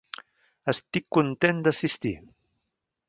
Estic content d'assistir